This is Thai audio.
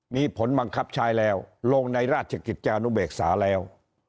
มีผลบังคับใช้แล้วลงในราชกิจจานุเบกษาแล้ว